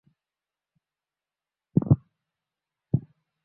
আমার বউ news channel সবসময় দেখে তাহলে তো ভালোই হলো।